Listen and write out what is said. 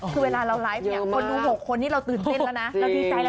คือเวลาเราไลฟ์คนดู๖คนนี่เราตื่นเต้นแล้วนะ